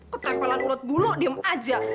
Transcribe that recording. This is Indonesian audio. ketepelan urut bulu diem aja